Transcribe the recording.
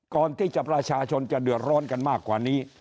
ก่อนที่จะประชาชนเดือดร้อนกันมากกว่านี้